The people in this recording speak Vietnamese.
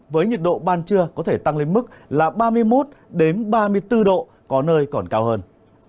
với nhiệt độ ban trưa có thể tăng lên mức là ba mươi một ba mươi bốn độ có nơi còn cao hơn